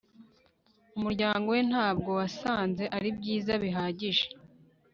umuryango we ntabwo wasanze ari byiza bihagije